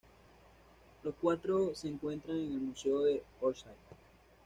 Los cuatro se encuentran en el Museo de Orsay.